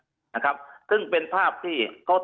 ทีนี้วันอาทิตย์หยุดแล้วก็วันจันทร์ก็หยุด